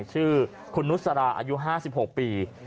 ชื่อคุณนุษย์สาราอายุห้าสิบหกปี